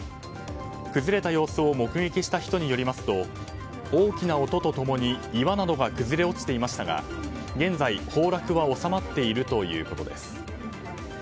崩れた様子を目撃した人によりますと大きな音と共に岩などが崩れ落ちていましたが現在、崩落は収まっているということです。